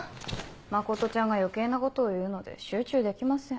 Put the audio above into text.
真ちゃんが余計なことを言うので集中できません。